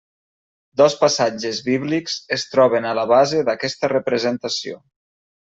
Dos passatges bíblics es troben a la base d'aquesta representació.